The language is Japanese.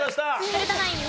古田ナイン